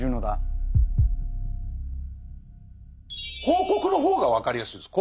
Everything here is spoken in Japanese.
広告の方が分かりやすいです。